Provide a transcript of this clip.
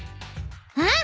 うん。